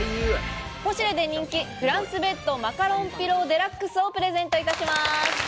ポシュレで人気「フランスベッドマカロンピローデラックス」をプレゼントいたします。